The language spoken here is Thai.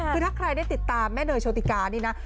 คือถ้าใครได้ติดตามแม่เนยโชติกานี่นะ